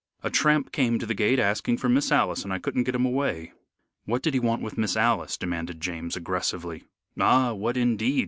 "A tramp came to the gate asking for Miss Alice, and I couldn't get him away." "What did he want with Miss Alice?" demanded James, aggressively. "Ah, what indeed!"